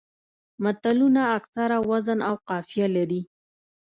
متلونه اکثره وزن او قافیه لري